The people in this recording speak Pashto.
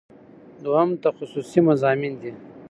دوهم تخصصي مضامین دي.